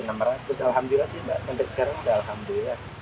alhamdulillah sih mbak sampai sekarang udah alhamdulillah